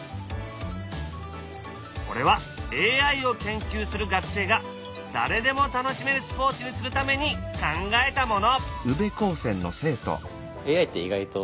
これはＡＩを研究する学生が誰でも楽しめるスポーツにするために考えたもの！